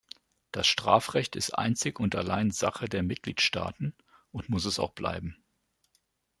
Das Strafrecht ist einzig und allein Sache der Mitgliedstaaten und muss es auch bleiben.